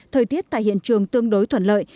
thời tiết tại hiện trường tương đối thuận lợi